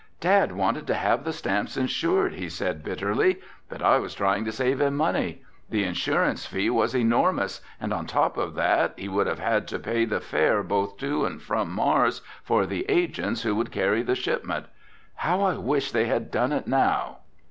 "Dad wanted to have the stamps insured," he said bitterly, "but I was trying to save him money. The insurance fee was enormous, and on top of that he would have had to pay the fare both to and from Mars for the agents who would carry the shipment. How I wish they had done it now!"